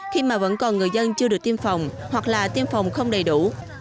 khi mà vẫn còn người dân chưa được tiêm phòng hoặc là tiêm phòng không đầy đủ